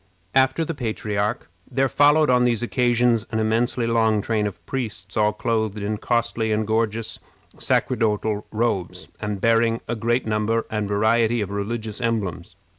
After the patriarch, there followed, on these occasions, an immensely long train of priests, all clothed in costly and gorgeous sacerdotal robes, and bearing a great number and variety of religious emblems.